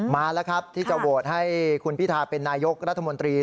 มาแล้วครับที่จะโหวตให้คุณพิทาเป็นนายกรัฐมนตรี